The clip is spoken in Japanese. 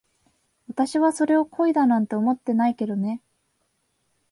私はそれを恋だなんて思ってないけどね。